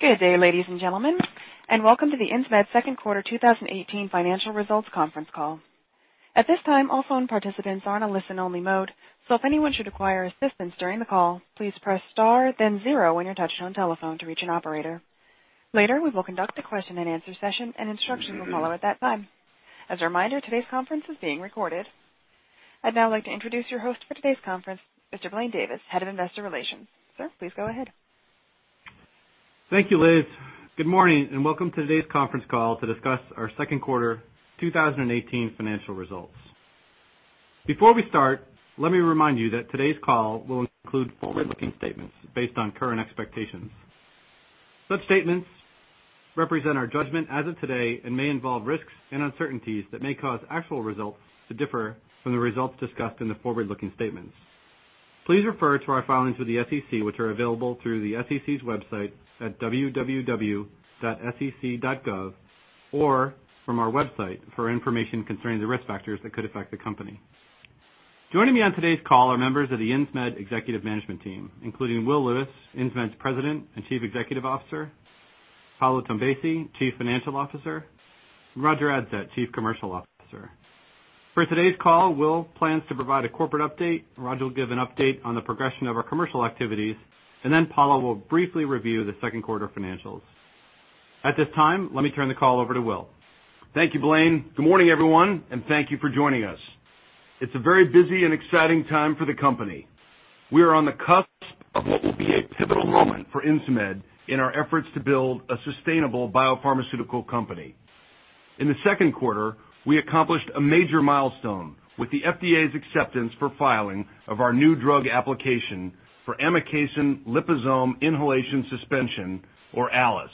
Good day, ladies and gentlemen, welcome to the Insmed second quarter 2018 financial results conference call. At this time, all phone participants are in a listen-only mode, so if anyone should require assistance during the call, please press star then zero on your touchtone telephone to reach an operator. Later, we will conduct a question and answer session, and instructions will follow at that time. As a reminder, today's conference is being recorded. I'd now like to introduce your host for today's conference, Mr. Blaine Davis, Head of Investor Relations. Sir, please go ahead. Thank you, Liz. Good morning and welcome to today's conference call to discuss our second quarter 2018 financial results. Before we start, let me remind you that today's call will include forward-looking statements based on current expectations. Such statements represent our judgment as of today and may involve risks and uncertainties that may cause actual results to differ from the results discussed in the forward-looking statements. Please refer to our filings with the SEC, which are available through the SEC's website at www.sec.gov or from our website for information concerning the risk factors that could affect the company. Joining me on today's call are members of the Insmed executive management team, including Will Lewis, Insmed's President and Chief Executive Officer, Paolo Tombesi, Chief Financial Officer, Roger Adsett, Chief Commercial Officer. For today's call, Will plans to provide a corporate update. Roger will give an update on the progression of our commercial activities, and then Paolo will briefly review the second quarter financials. At this time, let me turn the call over to Will. Thank you, Blaine. Good morning, everyone, and thank you for joining us. It's a very busy and exciting time for the company. We are on the cusp of what will be a pivotal moment for Insmed in our efforts to build a sustainable biopharmaceutical company. In the second quarter, we accomplished a major milestone with the FDA's acceptance for filing of our new drug application for amikacin liposome inhalation suspension, or ALIS,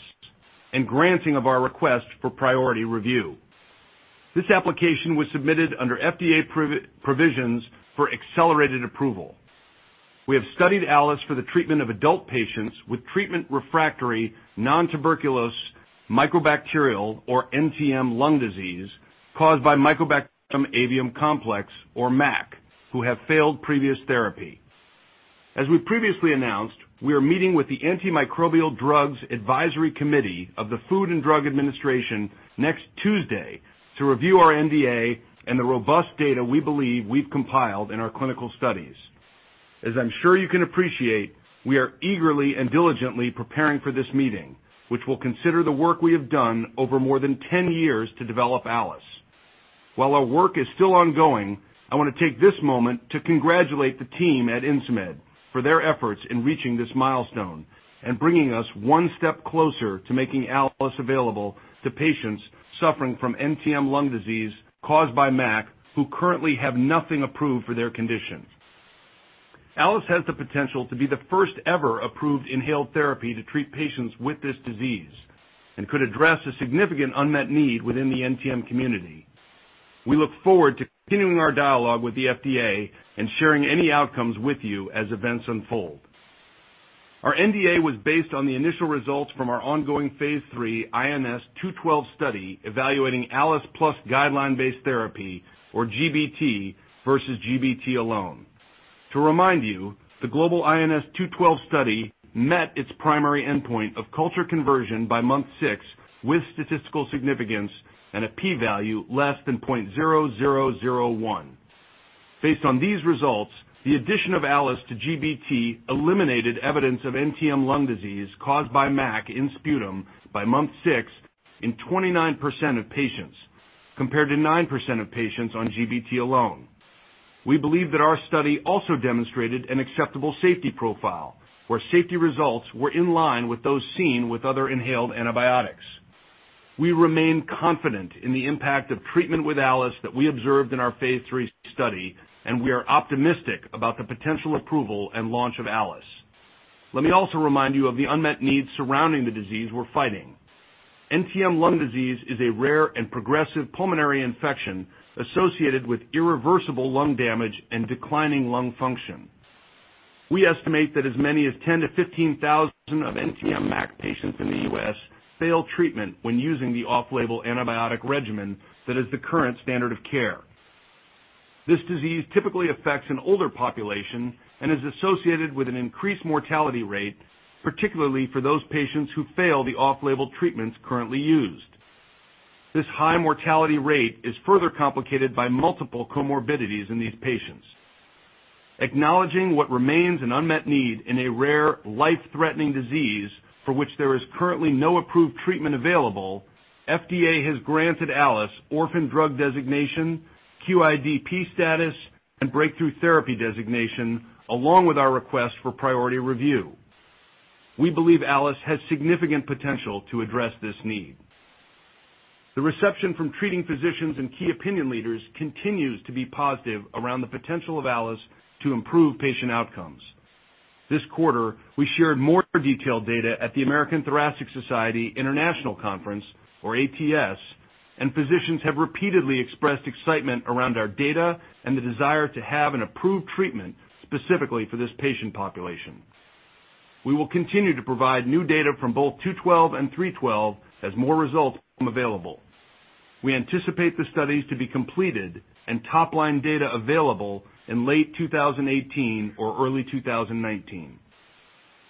and granting of our request for priority review. This application was submitted under FDA provisions for accelerated approval. We have studied ALIS for the treatment of adult patients with treatment-refractory nontuberculous mycobacterial, or NTM, lung disease caused by Mycobacterium avium complex, or MAC, who have failed previous therapy. As we previously announced, we are meeting with the Antimicrobial Drugs Advisory Committee of the Food and Drug Administration next Tuesday to review our NDA and the robust data we believe we've compiled in our clinical studies. As I'm sure you can appreciate, we are eagerly and diligently preparing for this meeting, which will consider the work we have done over more than 10 years to develop ALIS. While our work is still ongoing, I want to take this moment to congratulate the team at Insmed for their efforts in reaching this milestone and bringing us one step closer to making ALIS available to patients suffering from NTM lung disease caused by MAC who currently have nothing approved for their condition. ALIS has the potential to be the first ever approved inhaled therapy to treat patients with this disease and could address a significant unmet need within the NTM community. We look forward to continuing our dialogue with the FDA and sharing any outcomes with you as events unfold. Our NDA was based on the initial results from our ongoing phase III INS-212 study evaluating ALIS plus guideline-based therapy, or GBT, versus GBT alone. To remind you, the global INS-212 study met its primary endpoint of culture conversion by month six with statistical significance and a P value less than 0.0001. Based on these results, the addition of ALIS to GBT eliminated evidence of NTM lung disease caused by MAC in sputum by month six in 29% of patients, compared to 9% of patients on GBT alone. We believe that our study also demonstrated an acceptable safety profile, where safety results were in line with those seen with other inhaled antibiotics. We remain confident in the impact of treatment with ALIS that we observed in our phase III study, and we are optimistic about the potential approval and launch of ALIS. Let me also remind you of the unmet needs surrounding the disease we're fighting. NTM lung disease is a rare and progressive pulmonary infection associated with irreversible lung damage and declining lung function. We estimate that as many as 10,000-15,000 of NTM MAC patients in the U.S. fail treatment when using the off-label antibiotic regimen that is the current standard of care. This disease typically affects an older population and is associated with an increased mortality rate, particularly for those patients who fail the off-label treatments currently used. This high mortality rate is further complicated by multiple comorbidities in these patients. Acknowledging what remains an unmet need in a rare, life-threatening disease for which there is currently no approved treatment available, FDA has granted ALIS orphan drug designation, QIDP status, and breakthrough therapy designation, along with our request for priority review. We believe ALIS has significant potential to address this need. The reception from treating physicians and key opinion leaders continues to be positive around the potential of ALIS to improve patient outcomes. This quarter, we shared more detailed data at the American Thoracic Society International Conference, or ATS, and physicians have repeatedly expressed excitement around our data and the desire to have an approved treatment specifically for this patient population. We will continue to provide new data from both 212 and 312 as more results become available. We anticipate the studies to be completed and top-line data available in late 2018 or early 2019.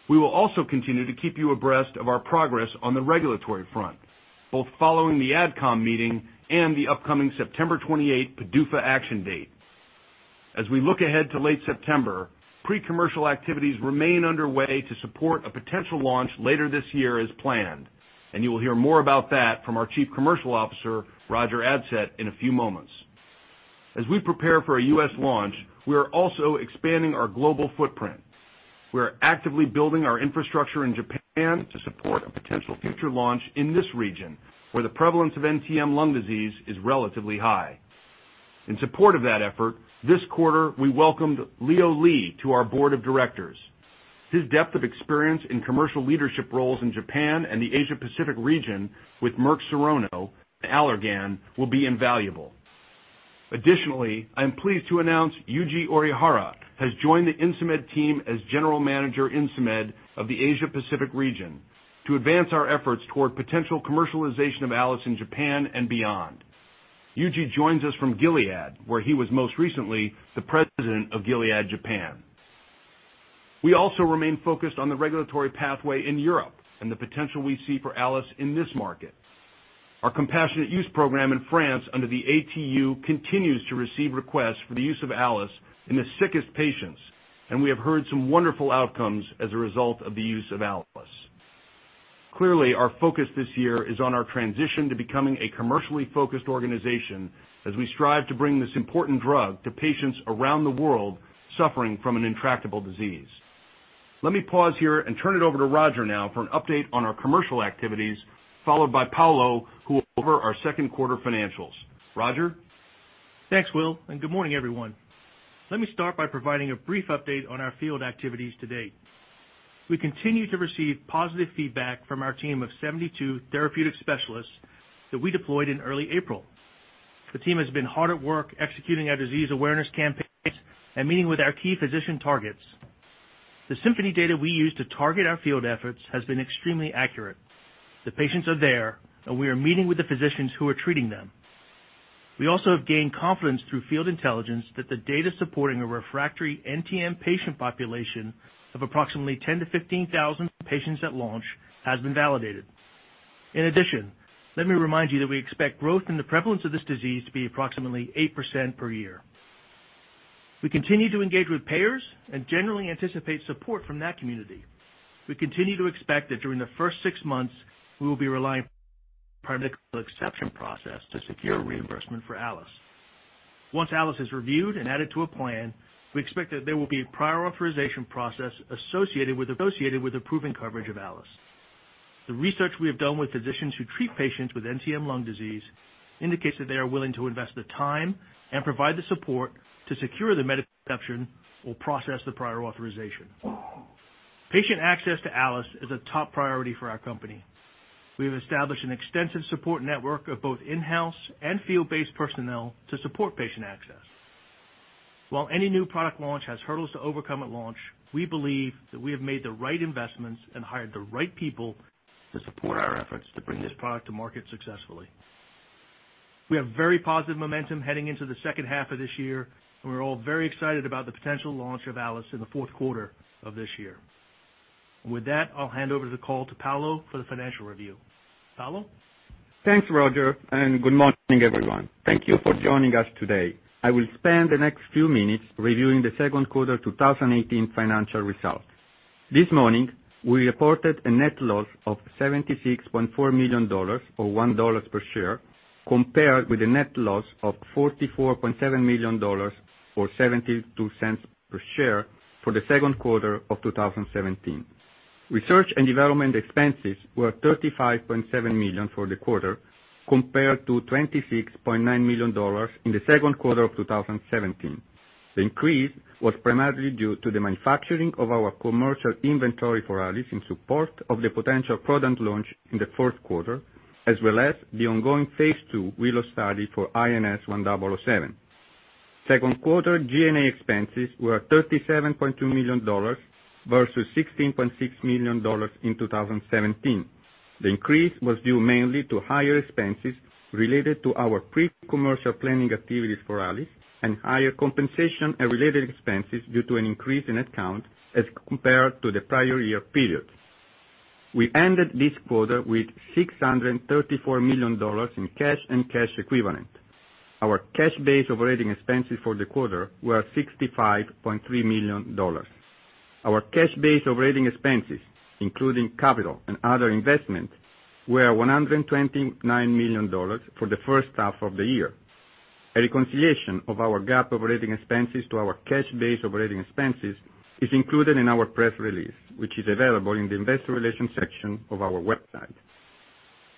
We will also continue to keep you abreast of our progress on the regulatory front, both following the AdCom meeting and the upcoming September 28th PDUFA action date. As we look ahead to late September, pre-commercial activities remain underway to support a potential launch later this year as planned, and you will hear more about that from our Chief Commercial Officer, Roger Adsett, in a few moments. As we prepare for a U.S. launch, we are also expanding our global footprint. We are actively building our infrastructure in Japan to support a potential future launch in this region, where the prevalence of NTM lung disease is relatively high. In support of that effort, this quarter, we welcomed Leo Lee to our board of directors. His depth of experience in commercial leadership roles in Japan and the Asia Pacific region with Merck Serono and Allergan will be invaluable. Additionally, I'm pleased to announce Yuji Orihara has joined the Insmed team as General Manager, Insmed of the Asia Pacific region to advance our efforts toward potential commercialization of ALIS in Japan and beyond. Yuji joins us from Gilead, where he was most recently the President of Gilead, Japan. We also remain focused on the regulatory pathway in Europe and the potential we see for ALIS in this market. Our compassionate use program in France under the ATU continues to receive requests for the use of ALIS in the sickest patients, and we have heard some wonderful outcomes as a result of the use of ALIS. Clearly, our focus this year is on our transition to becoming a commercially focused organization as we strive to bring this important drug to patients around the world suffering from an intractable disease. Let me pause here and turn it over to Roger now for an update on our commercial activities, followed by Paolo, who will go over our second quarter financials. Roger? Thanks, Will, and good morning, everyone. Let me start by providing a brief update on our field activities to date. We continue to receive positive feedback from our team of 72 therapeutic specialists that we deployed in early April. The team has been hard at work executing our disease awareness campaigns and meeting with our key physician targets. The Symphony data we use to target our field efforts has been extremely accurate. The patients are there, and we are meeting with the physicians who are treating them. We also have gained confidence through field intelligence that the data supporting a refractory NTM patient population of approximately 10,000-15,000 patients at launch has been validated. In addition, let me remind you that we expect growth in the prevalence of this disease to be approximately 8% per year. We continue to engage with payers and generally anticipate support from that community. We continue to expect that during the first six months, we will be relying primarily on the exception process to secure reimbursement for ALIS. Once ALIS is reviewed and added to a plan, we expect that there will be a prior authorization process associated with approving coverage of ALIS. The research we have done with physicians who treat patients with NTM lung disease indicates that they are willing to invest the time and provide the support to secure the medical exception or process the prior authorization. Patient access to ALIS is a top priority for our company. We have established an extensive support network of both in-house and field-based personnel to support patient access. While any new product launch has hurdles to overcome at launch, we believe that we have made the right investments and hired the right people to support our efforts to bring this product to market successfully. We have very positive momentum heading into the second half of this year. We're all very excited about the potential launch of ALIS in the fourth quarter of this year. With that, I'll hand over the call to Paolo for the financial review. Paolo? Thanks, Roger. Good morning, everyone. Thank you for joining us today. I will spend the next few minutes reviewing the second quarter 2018 financial results. This morning, we reported a net loss of $76.4 million or $1 per share, compared with a net loss of $44.7 million or $0.72 per share for the second quarter of 2017. Research and development expenses were $35.7 million for the quarter, compared to $26.9 million in the second quarter of 2017. The increase was primarily due to the manufacturing of our commercial inventory for ALIS in support of the potential product launch in the fourth quarter, as well as the ongoing phase II WILLOW study for INS-1007. Second quarter G&A expenses were $37.2 million versus $16.6 million in 2017. The increase was due mainly to higher expenses related to our pre-commercial planning activities for ALIS and higher compensation and related expenses due to an increase in headcount as compared to the prior year period. We ended this quarter with $634 million in cash and cash equivalents. Our cash base operating expenses for the quarter were $65.3 million. Our cash base operating expenses, including capital and other investments, were $129 million for the first half of the year. A reconciliation of our GAAP operating expenses to our cash base operating expenses is included in our press release, which is available in the investor relations section of our website.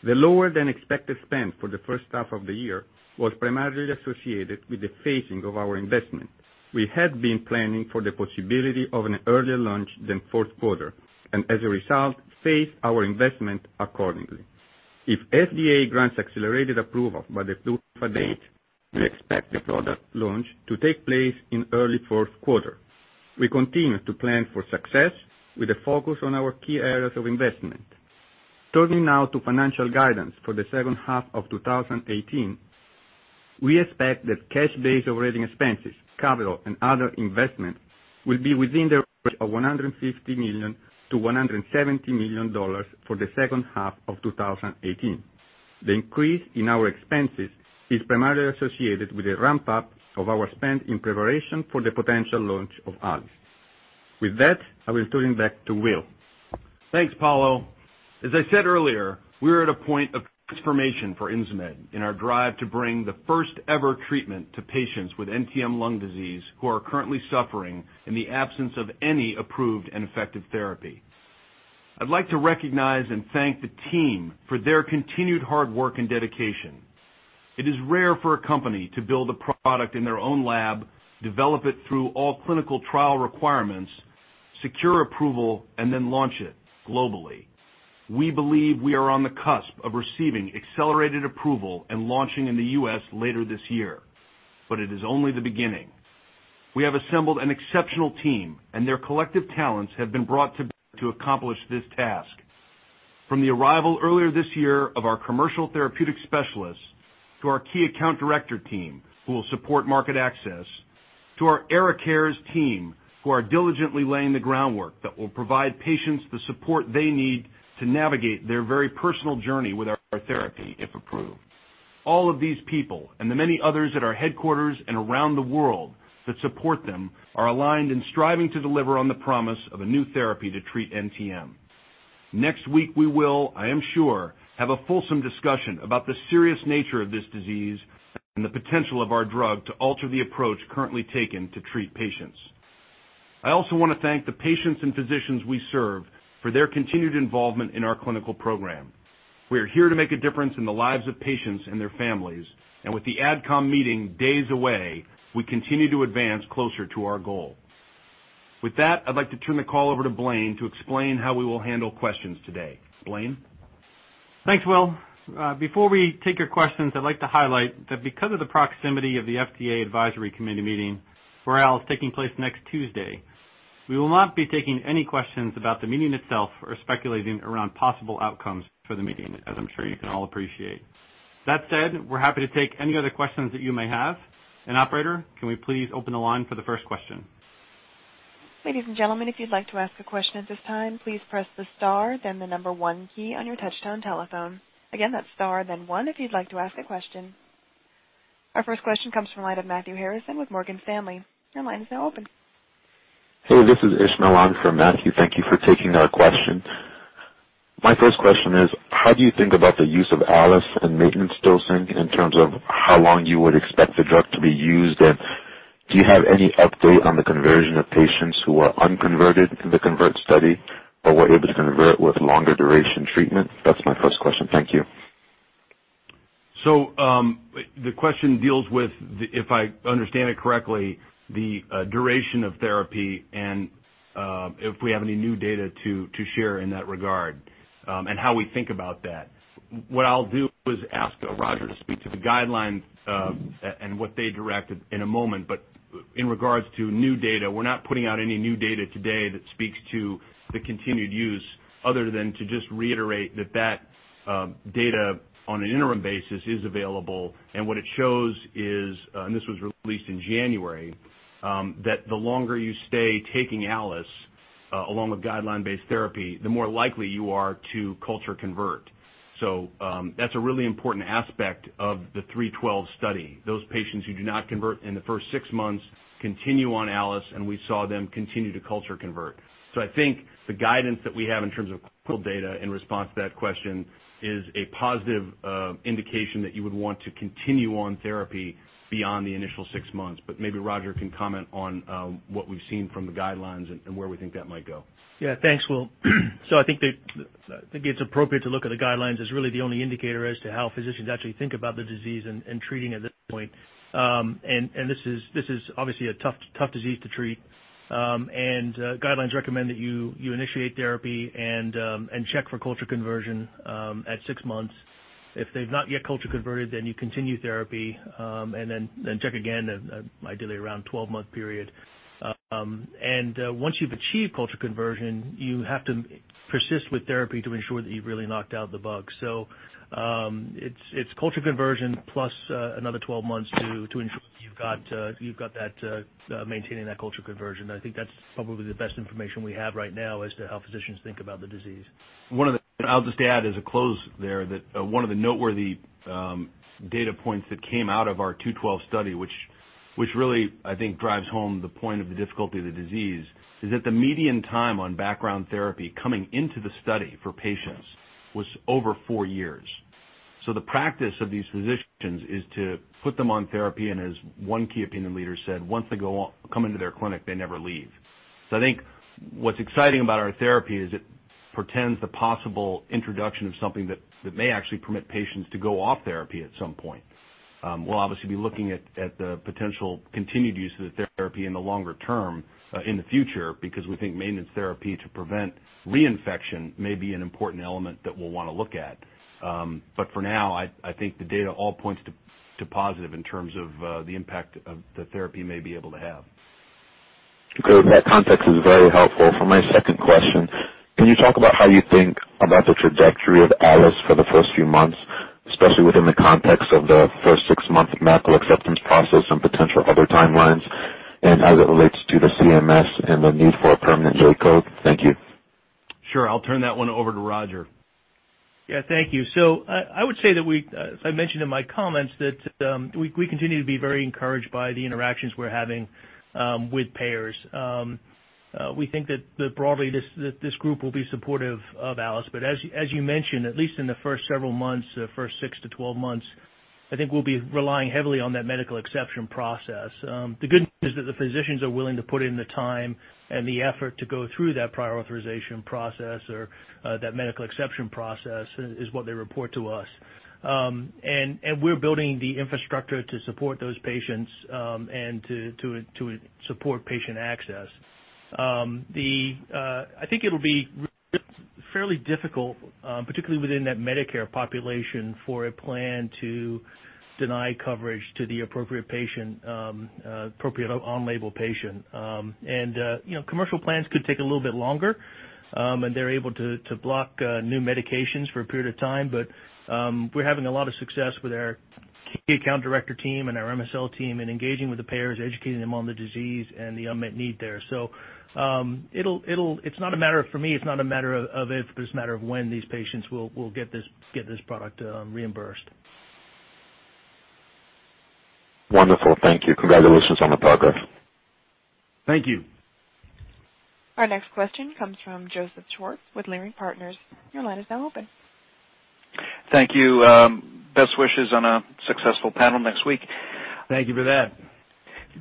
The lower than expected spend for the first half of the year was primarily associated with the phasing of our investment. We had been planning for the possibility of an earlier launch than fourth quarter, as a result, phased our investment accordingly. If FDA grants accelerated approval by the PDUFA date, we expect the product launch to take place in early fourth quarter. We continue to plan for success with a focus on our key areas of investment. Turning now to financial guidance for the second half of 2018, we expect that cash-based operating expenses, capital, and other investments will be within the range of $150 million-$170 million for the second half of 2018. The increase in our expenses is primarily associated with a ramp-up of our spend in preparation for the potential launch of ARIKAYCE. With that, I will turn it back to Will. Thanks, Paolo. As I said earlier, we're at a point of transformation for Insmed in our drive to bring the first-ever treatment to patients with NTM lung disease who are currently suffering in the absence of any approved and effective therapy. I'd like to recognize and thank the team for their continued hard work and dedication. It is rare for a company to build a product in their own lab, develop it through all clinical trial requirements, secure approval, and then launch it globally. We believe we are on the cusp of receiving accelerated approval and launching in the U.S. later this year. It is only the beginning. We have assembled an exceptional team, and their collective talents have been brought to bear to accomplish this task. From the arrival earlier this year of our commercial therapeutic specialists to our key account director team, who will support market access, to our ARIKAYCE Cares team, who are diligently laying the groundwork that will provide patients the support they need to navigate their very personal journey with our therapy, if approved. All of these people, and the many others at our headquarters and around the world that support them, are aligned and striving to deliver on the promise of a new therapy to treat NTM. Next week, we will, I am sure, have a fulsome discussion about the serious nature of this disease and the potential of our drug to alter the approach currently taken to treat patients. I also want to thank the patients and physicians we serve for their continued involvement in our clinical program. We are here to make a difference in the lives of patients and their families, with the AdCom meeting days away, we continue to advance closer to our goal. With that, I'd like to turn the call over to Blaine to explain how we will handle questions today. Blaine? Thanks, Will. Before we take your questions, I'd like to highlight that because of the proximity of the FDA Advisory Committee Meeting for ARIKAYCE taking place next Tuesday, we will not be taking any questions about the meeting itself or speculating around possible outcomes for the meeting, as I'm sure you can all appreciate. That said, we're happy to take any other questions that you may have. Operator, can we please open the line for the first question? Ladies and gentlemen, if you'd like to ask a question at this time, please press the star, then the number one key on your touchtone telephone. Again, that's star, then one if you'd like to ask a question. Our first question comes from the line of Matthew Harrison with Morgan Stanley. Your line is now open. Hey, this is Ish Malan for Matthew. Thank you for taking our question. My first question is, how do you think about the use of ARIKAYCE and maintenance dosing in terms of how long you would expect the drug to be used? Do you have any update on the conversion of patients who are unconverted in the CONVERT study but were able to convert with longer duration treatment? That's my first question. Thank you. The question deals with, if I understand it correctly, the duration of therapy and if we have any new data to share in that regard, and how we think about that. What I'll do is ask Roger to speak to the guidelines, and what they direct in a moment, but in regards to new data, we're not putting out any new data today that speaks to the continued use other than to just reiterate that data on an interim basis is available. What it shows is, and this was released in January, that the longer you stay taking ARIKAYCE along with guideline-based therapy, the more likely you are to culture convert. That's a really important aspect of the INS-312 study. Those patients who do not convert in the first six months continue on ARIKAYCE, and we saw them continue to culture convert. I think the guidance that we have in terms of clinical data in response to that question is a positive indication that you would want to continue on therapy beyond the initial six months. Maybe Roger can comment on what we've seen from the guidelines and where we think that might go. Yeah. Thanks, Will. I think it's appropriate to look at the guidelines as really the only indicator as to how physicians actually think about the disease and treating at this point. This is obviously a tough disease to treat. Guidelines recommend that you initiate therapy and check for culture conversion at six months. If they've not yet culture converted, you continue therapy, and then check again, ideally around 12-month period. Once you've achieved culture conversion, you have to persist with therapy to ensure that you've really knocked out the bug. It's culture conversion plus another 12 months to ensure that you've got maintaining that culture conversion. I think that's probably the best information we have right now as to how physicians think about the disease. I'll just add as a close there that one of the noteworthy data points that came out of our INS-212 study, which really, I think drives home the point of the difficulty of the disease, is that the median time on background therapy coming into the study for patients was over four years. The practice of these physicians is to put them on therapy, and as one key opinion leader said, "Once they come into their clinic, they never leave." I think what's exciting about our therapy is it portends the possible introduction of something that may actually permit patients to go off therapy at some point. We'll obviously be looking at the potential continued use of the therapy in the longer term in the future because we think maintenance therapy to prevent reinfection may be an important element that we'll want to look at. For now, I think the data all points to positive in terms of the impact of the therapy may be able to have. Good. That context is very helpful. For my second question, can you talk about how you think about the trajectory of ALIS for the first few months, especially within the context of the first 6-month medical acceptance process and potential other timelines, and as it relates to the CMS and the need for a permanent J-code? Thank you. Sure. I'll turn that one over to Roger. Yeah, thank you. I would say that we, as I mentioned in my comments, that we continue to be very encouraged by the interactions we're having with payers. We think that broadly, this group will be supportive of ARIKAYCE, but as you mentioned, at least in the first several months, the first 6 to 12 months, I think we'll be relying heavily on that medical exception process. The good news is that the physicians are willing to put in the time and the effort to go through that prior authorization process or that medical exception process is what they report to us. We're building the infrastructure to support those patients, and to support patient access. I think it'll be fairly difficult, particularly within that Medicare population, for a plan to deny coverage to the appropriate on-label patient. Commercial plans could take a little bit longer, they're able to block new medications for a period of time. We're having a lot of success with our key account director team and our MSL team in engaging with the payers, educating them on the disease and the unmet need there. For me, it's not a matter of if, but it's a matter of when these patients will get this product reimbursed. Wonderful. Thank you. Congratulations on the progress. Thank you. Our next question comes from Joseph Schwartz with Leerink Partners. Your line is now open. Thank you. Best wishes on a successful panel next week. Thank you for that.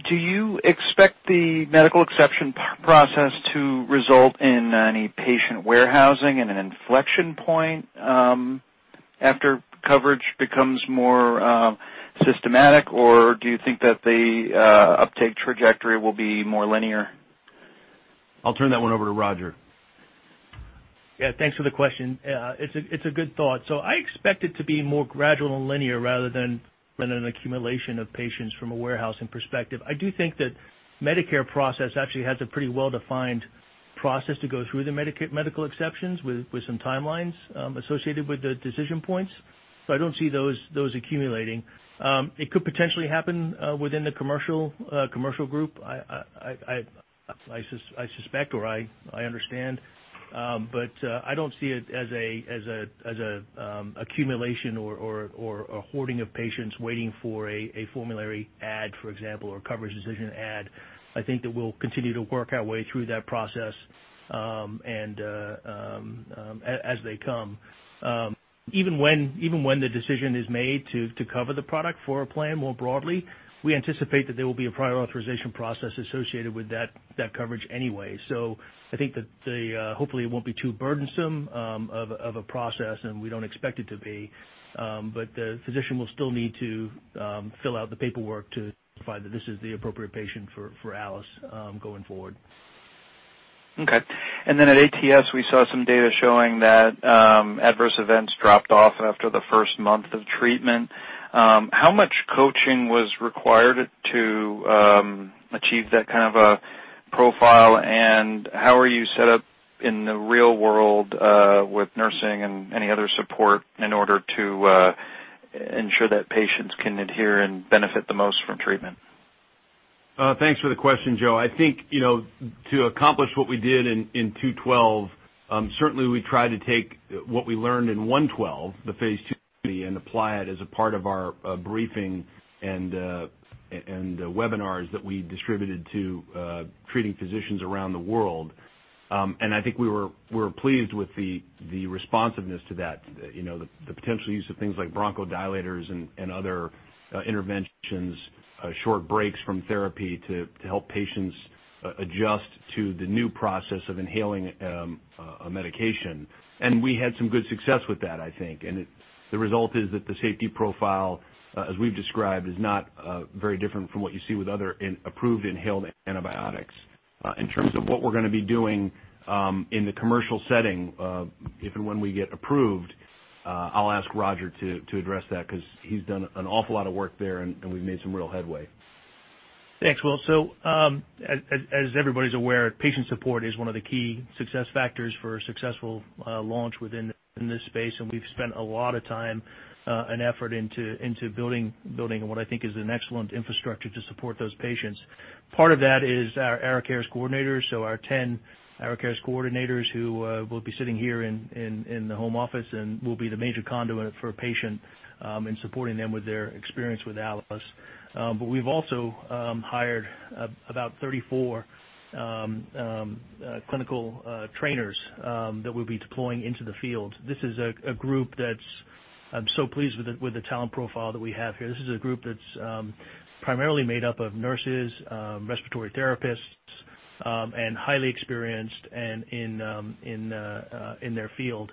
Do you expect the medical exception process to result in any patient warehousing and an inflection point after coverage becomes more systematic? Do you think that the uptake trajectory will be more linear? I'll turn that one over to Roger. Thanks for the question. It's a good thought. I expect it to be more gradual and linear rather than an accumulation of patients from a warehousing perspective. I do think that Medicare process actually has a pretty well-defined process to go through the medical exceptions with some timelines associated with the decision points. I don't see those accumulating. It could potentially happen within the commercial group, I suspect, or I understand. I don't see it as an accumulation or a hoarding of patients waiting for a formulary add, for example, or coverage decision add. I think that we'll continue to work our way through that process as they come. Even when the decision is made to cover the product for a plan more broadly, we anticipate that there will be a prior authorization process associated with that coverage anyway. I think that hopefully it won't be too burdensome of a process, and we don't expect it to be. The physician will still need to fill out the paperwork to find that this is the appropriate patient for ARIKAYCE going forward. Okay. At ATS, we saw some data showing that adverse events dropped off after the first month of treatment. How much coaching was required to achieve that kind of a profile, and how are you set up in the real world with nursing and any other support in order to ensure that patients can adhere and benefit the most from treatment? Thanks for the question, Joe. I think, to accomplish what we did in INS-212, certainly we tried to take what we learned in INS-112, the phase II study, and apply it as a part of our briefing and webinars that we distributed to treating physicians around the world. I think we were pleased with the responsiveness to that. The potential use of things like bronchodilators and other interventions, short breaks from therapy to help patients adjust to the new process of inhaling a medication. We had some good success with that, I think. The result is that the safety profile, as we've described, is not very different from what you see with other approved inhaled antibiotics. In terms of what we're going to be doing in the commercial setting, if and when we get approved, I'll ask Roger to address that because he's done an awful lot of work there, and we've made some real headway. Thanks, Will. As everybody's aware, patient support is one of the key success factors for a successful launch within this space, and we've spent a lot of time and effort into building what I think is an excellent infrastructure to support those patients. Part of that is our ARIKAYCE Care coordinators. Our 10 ARIKAYCE Care coordinators who will be sitting here in the home office and will be the major conduit for a patient in supporting them with their experience with ARIKAYCE. We've also hired about 34 clinical trainers that we'll be deploying into the field. This is a group that I'm so pleased with the talent profile that we have here. This is a group that's primarily made up of nurses, respiratory therapists Highly experienced in their field.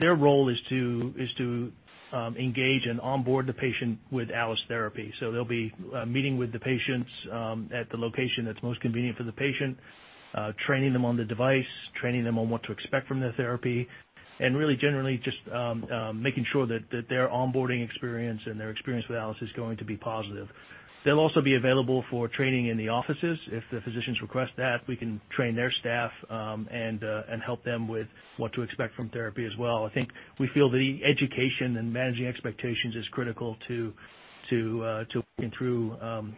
Their role is to engage and onboard the patient with ARIKAYCE therapy. They'll be meeting with the patients at the location that's most convenient for the patient, training them on the device, training them on what to expect from the therapy, and really generally just making sure that their onboarding experience and their experience with ARIKAYCE is going to be positive. They'll also be available for training in the offices. If the physicians request that, we can train their staff and help them with what to expect from therapy as well. I think we feel the education and managing expectations is critical to working through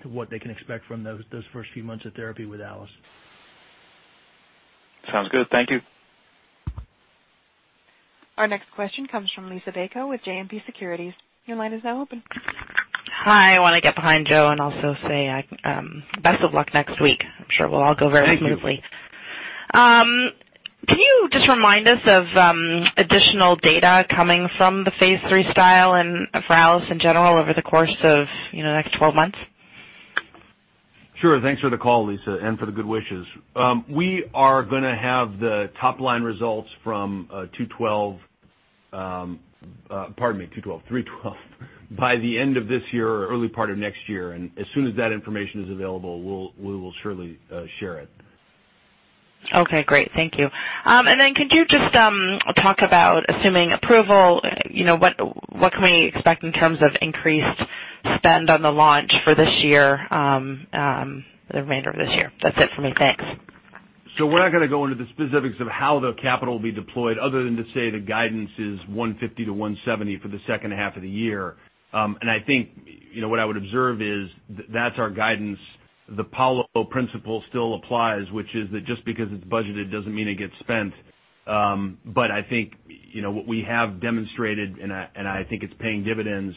to what they can expect from those first few months of therapy with ARIKAYCE. Sounds good. Thank you. Our next question comes from Liisa Bayko with JMP Securities. Your line is now open. Hi. I want to get behind Joe and also say best of luck next week. I'm sure it will all go very smoothly. Thank you. Can you just remind us of additional data coming from the phase III CONVERT trial and for ARIKAYCE in general over the course of the next 12 months? Sure. Thanks for the call, Liana, and for the good wishes. We are going to have the top-line results from INS-212, INS-312, by the end of this year or early part of next year, and as soon as that information is available, we will surely share it. Okay, great. Thank you. Could you just talk about assuming approval, what can we expect in terms of increased spend on the launch for this year, the remainder of this year? That's it for me. Thanks. We're not going to go into the specifics of how the capital will be deployed other than to say the guidance is $150-$170 for the second half of the year. I think, what I would observe is that's our guidance. The Pareto principle still applies, which is that just because it's budgeted doesn't mean it gets spent. I think, what we have demonstrated, and I think it's paying dividends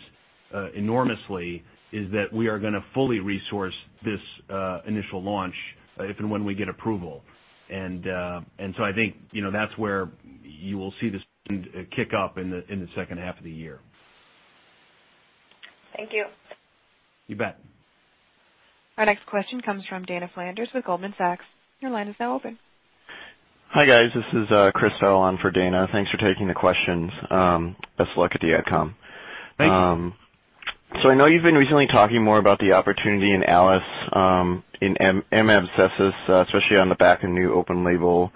enormously, is that we are going to fully resource this initial launch if and when we get approval. I think, that's where you will see this kick up in the second half of the year. Thank you. You bet. Our next question comes from Dana Flanders with Goldman Sachs. Your line is now open. Hi, guys. This is Christopher Cassell on for Dana. Thanks for taking the questions. Best of luck at the outcome. Thank you. I know you've been recently talking more about the opportunity in ARIKAYCE, in M. abscessus, especially on the back of new open label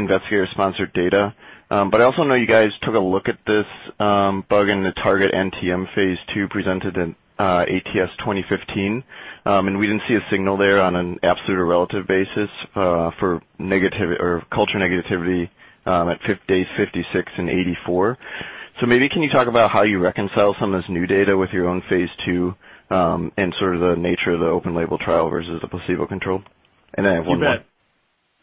investigator-sponsored data. I also know you guys took a look at this bug in the TARGET-NTM phase II presented in ATS 2015. We didn't see a signal there on an absolute or relative basis for culture negativity at days 56 and 84. Maybe can you talk about how you reconcile some of this new data with your own phase II and sort of the nature of the open label trial versus the placebo control? I have one more. You bet.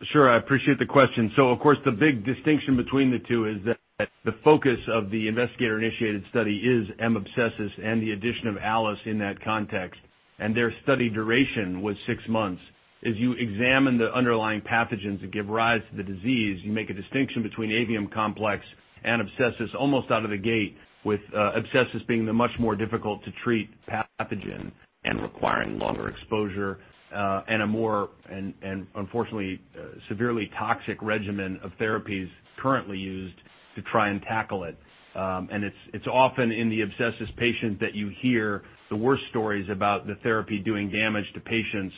Sure. I appreciate the question. Of course, the big distinction between the two is that the focus of the investigator-initiated study is M. abscessus and the addition of ARIKAYCE in that context, and their study duration was six months. As you examine the underlying pathogens that give rise to the disease, you make a distinction between avium complex and abscessus almost out of the gate with abscessus being the much more difficult-to-treat pathogen and requiring longer exposure, and unfortunately, severely toxic regimen of therapies currently used to try and tackle it. It's often in the abscessus patient that you hear the worst stories about the therapy doing damage to patients,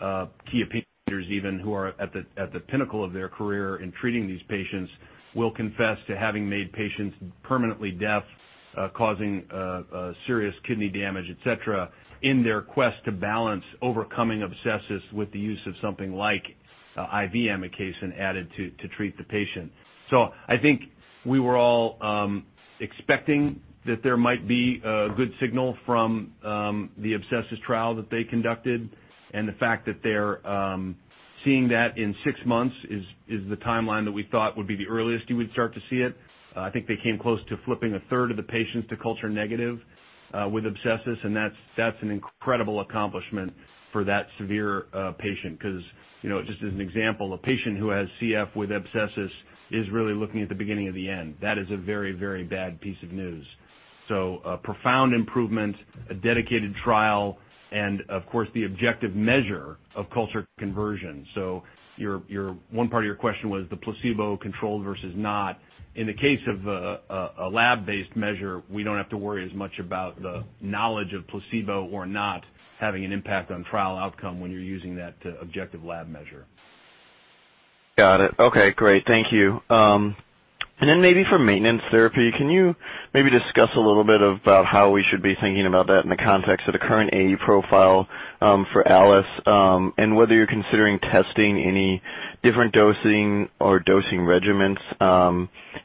[TAP] those even, who are at the pinnacle of their career in treating these patients will confess to having made patients permanently deaf, causing serious kidney damage, et cetera, in their quest to balance overcoming abscessus with the use of something like IV amikacin added to treat the patient. I think we were all expecting that there might be a good signal from the abscessus trial that they conducted. The fact that they're seeing that in six months is the timeline that we thought would be the earliest you would start to see it. I think they came close to flipping a third of the patients to culture negative with abscessus, that's an incredible accomplishment for that severe patient because, just as an example, a patient who has CF with abscessus is really looking at the beginning of the end. That is a very, very bad piece of news. A profound improvement, a dedicated trial, and of course, the objective measure of culture conversion. One part of your question was the placebo-controlled versus not. In the case of a lab-based measure, we don't have to worry as much about the knowledge of placebo or not having an impact on trial outcome when you're using that objective lab measure. Got it. Okay, great. Thank you. Maybe for maintenance therapy, can you maybe discuss a little bit about how we should be thinking about that in the context of the current AE profile for ARIKAYCE? Whether you're considering testing any different dosing or dosing regimens,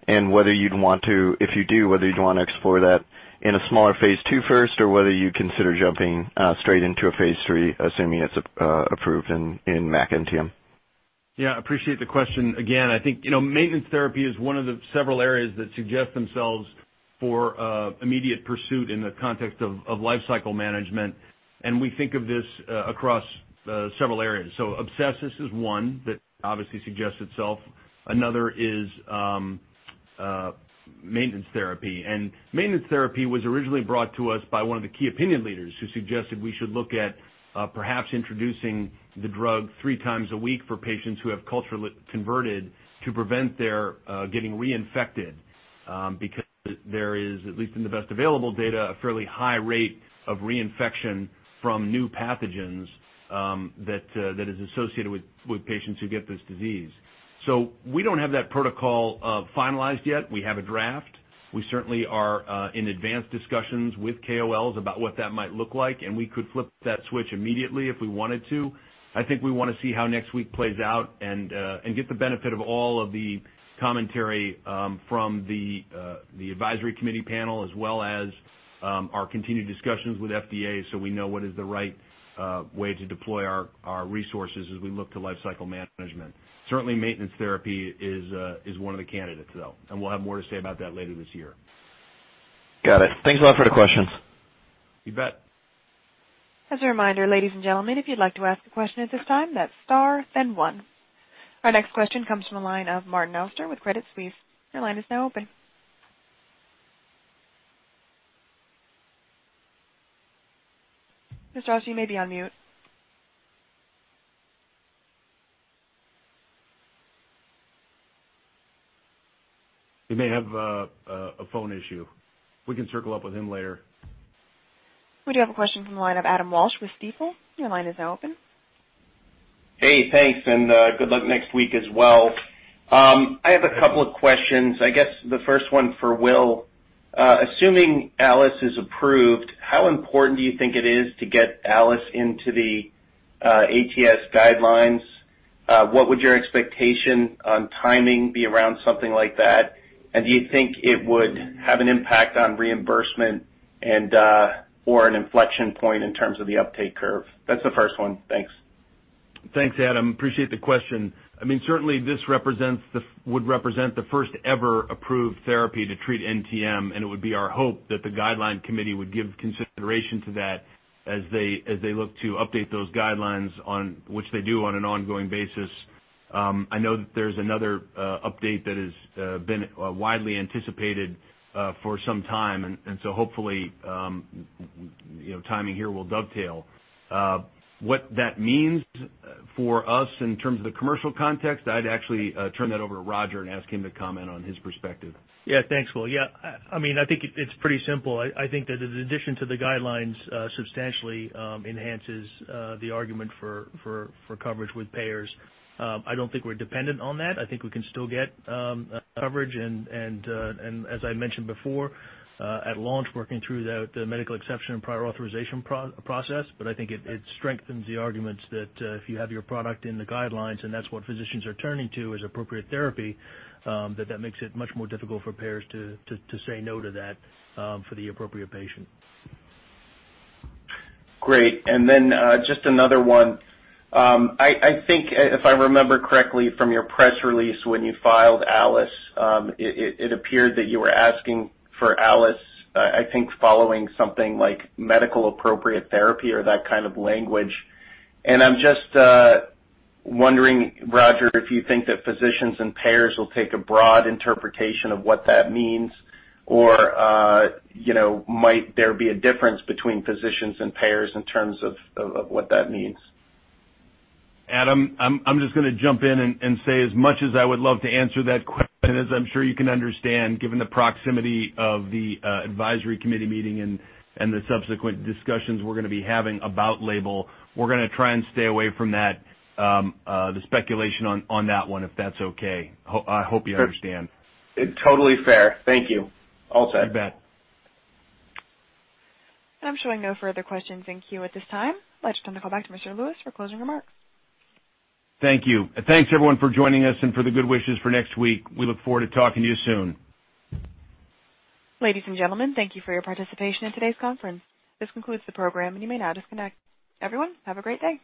and whether you'd want to, if you do, whether you'd want to explore that in a smaller phase II first, or whether you'd consider jumping straight into a phase III, assuming it's approved in MAC NTM. Yeah, appreciate the question again. I think maintenance therapy is one of the several areas that suggest themselves for immediate pursuit in the context of life cycle management, we think of this across several areas. Abscessus is one that obviously suggests itself. Another is maintenance therapy. Maintenance therapy was originally brought to us by one of the Key Opinion Leaders who suggested we should look at perhaps introducing the drug three times a week for patients who have culturally converted to prevent their getting reinfected, because there is, at least in the best available data, a fairly high rate of reinfection from new pathogens that is associated with patients who get this disease. We don't have that protocol finalized yet. We have a draft. We certainly are in advanced discussions with KOLs about what that might look like, we could flip that switch immediately if we wanted to. I think we want to see how next week plays out and get the benefit of all of the commentary from the Advisory Committee panel as well as our continued discussions with FDA we know what is the right way to deploy our resources as we look to lifecycle management. Certainly, maintenance therapy is one of the candidates, though, we'll have more to say about that later this year. Got it. Thanks a lot for the questions. You bet. As a reminder, ladies and gentlemen, if you'd like to ask a question at this time, that's star then one. Our next question comes from the line of Martin Auster with Credit Suisse. Your line is now open. Mr. Auster, you may be on mute. He may have a phone issue. We can circle up with him later. We do have a question from the line of Adam Walsh with Stifel. Your line is now open. Hey, thanks, and good luck next week as well. I have a couple of questions. I guess the first one for Will. Assuming ARIKAYCE is approved, how important do you think it is to get ARIKAYCE into the ATS guidelines? What would your expectation on timing be around something like that? Do you think it would have an impact on reimbursement or an inflection point in terms of the uptake curve? That's the first one. Thanks. Thanks, Adam. Appreciate the question. Certainly, this would represent the first ever approved therapy to treat NTM, and it would be our hope that the guideline committee would give consideration to that as they look to update those guidelines, which they do on an ongoing basis. I know that there's another update that has been widely anticipated for some time. Hopefully timing here will dovetail. What that means for us in terms of the commercial context, I'd actually turn that over to Roger and ask him to comment on his perspective. Thanks, Will. I think it's pretty simple. I think that the addition to the guidelines substantially enhances the argument for coverage with payers. I don't think we're dependent on that. I think we can still get coverage, as I mentioned before, at launch, working through the medical exception and prior authorization process. I think it strengthens the arguments that if you have your product in the guidelines, that's what physicians are turning to as appropriate therapy, that that makes it much more difficult for payers to say no to that for the appropriate patient. Great. Just another one. I think if I remember correctly from your press release when you filed ARIKAYCE, it appeared that you were asking for ARIKAYCE, I think following something like medical appropriate therapy or that kind of language. I'm just wondering, Roger, if you think that physicians and payers will take a broad interpretation of what that means, or might there be a difference between physicians and payers in terms of what that means? Adam, I'm just going to jump in and say, as much as I would love to answer that question, as I'm sure you can understand, given the proximity of the advisory committee meeting and the subsequent discussions we're going to be having about label, we're going to try and stay away from the speculation on that one, if that's okay. I hope you understand. Totally fair. Thank you. All set. You bet. I'm showing no further questions in queue at this time. I'd like to turn the call back to Mr. Lewis for closing remarks. Thank you. Thanks, everyone, for joining us and for the good wishes for next week. We look forward to talking to you soon. Ladies and gentlemen, thank you for your participation in today's conference. This concludes the program, and you may now disconnect. Everyone, have a great day.